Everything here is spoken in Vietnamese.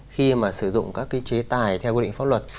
khi mà sử dụng các cái chế tài theo quy định pháp luật